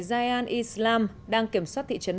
zion islam đang kiểm soát thị trấn